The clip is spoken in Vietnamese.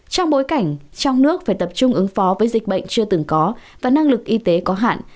trong bối cảnh trong nước phải tập trung ứng phó với dịch bệnh chưa từng có và năng lực y tế có hạn